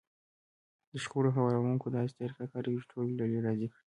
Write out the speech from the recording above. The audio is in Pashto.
د شخړو هواروونکی داسې طريقه کاروي چې ټولې ډلې راضي کړي.